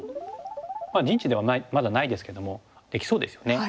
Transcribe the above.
まあ陣地ではまだないですけどもできそうですよね。